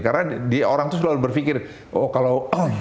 karena dia orang itu selalu berpikir oh kalau